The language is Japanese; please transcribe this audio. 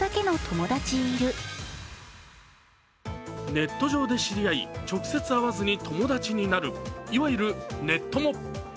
ネット上で知り合い、直接会わずに友達になる、いわゆるネッ友。